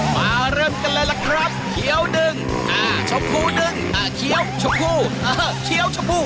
มาเริ่มกันเลยล่ะครับเขียวดึงชมพูดึงเขียวชมพูเขียวชมพู